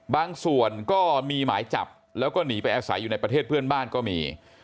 บางส่วนก็มีหมายจับแล้วก็หนีไปอาศัยอยู่ในประเทศเพื่อนบ้านก็มี